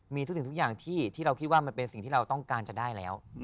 มีทุกสิ่งทุกอย่างที่เราคิดว่ามันเป็นสิ่งที่เราต้องการจะได้แล้ว